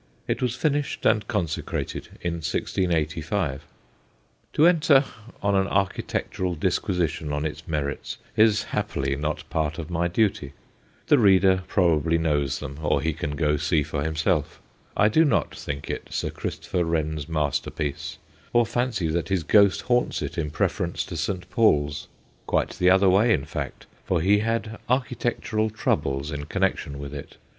It was finished and consecrated in 1685. To enter on an architectural disquisition on its merits is happily not part of my duty. The reader probably knows them, or he can go see for himself. I do not think it Sir Christopher Wren's masterpiece, or fancy that his ghost haunts it in preference to St. Paul's. Quite the other way, in fact, for he had architectural troubles in connection with it.